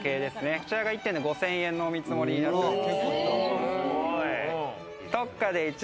こちらが１点で５０００円のお見積もりになっています。